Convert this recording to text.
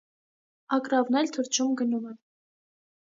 Ագռավն էլ թռչում գնում է։